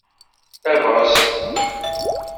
Tabɣest!